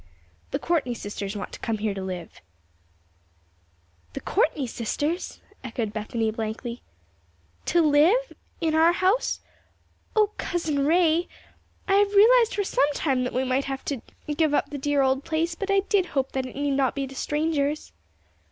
"The Courtney sisters want to come here to live." "The Courtney sisters!" echoed Bethany, blankly. "To live! In our house? O Cousin Ray! I have realized for some time that we might have to give up the dear old place; but I did hope that it need not be to strangers."